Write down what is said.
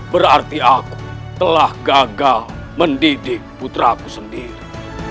berarti aku telah gagal mendidik putraku sendiri